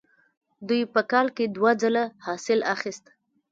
دوی په کال کې دوه ځله حاصل اخیست.